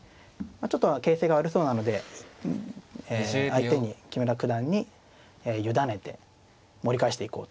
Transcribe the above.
ちょっと形勢が悪そうなので相手に木村九段に委ねて盛り返していこうと。